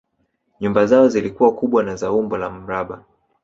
Nyumba zao zilikuwa kubwa na za umbo la mraba